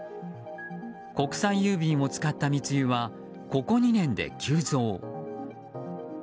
国際郵便を使った密輸はここ２年で急増。